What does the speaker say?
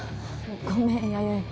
ごめん弥生。